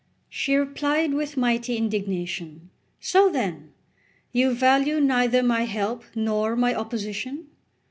She replied with mighty indignation: "So then you value neither my help nor my opposition?"